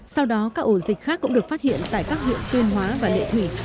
sau đó các ổ dịch khác cũng được phát hiện tại các huyện tuyên hóa và lệ thủy